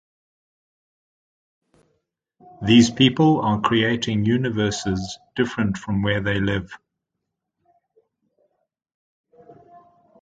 These people are creating universes different from where they live.